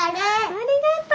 ありがとう！